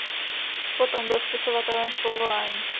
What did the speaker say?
Potom byl spisovatelem z povolání.